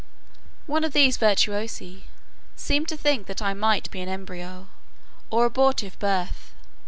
One of these virtuosi seemed to think that I might be an embryo, or abortive birth.